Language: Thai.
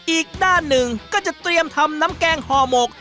อีกด้านหนึ่งก็จะเตรียมทำน้ำแกงห่อหมก